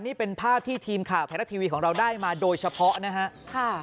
นี่เป็นภาพที่ทีมข่าวไทยรัฐทีวีของเราได้มาโดยเฉพาะนะฮะ